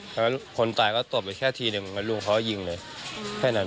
แล้วคนตายเขาตบไปแค่ทีนึงแล้วลุงเขายิงเลยแค่นั้นแหละ